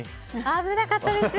危なかったです。